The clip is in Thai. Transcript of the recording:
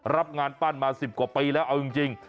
รับงานปั้นมา๑๐กว่าปีแล้วเอาจริง